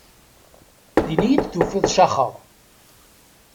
Din iyi-d tufiḍ caxeɣ.